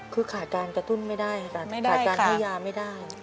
คือขาดการกระตุ้นไม่ได้ค่ะขาดการให้ยาไม่ได้